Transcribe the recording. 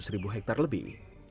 tiga ratus ribu hektar lebih